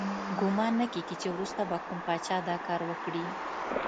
ګمان نه کیږي چې وروسته به کوم پاچا دا کار وکړي.